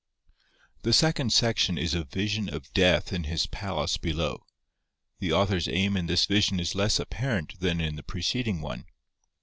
The second section is a Vision of Death in his palace below. The author's aim in this vision is less apparent than in the preceding one.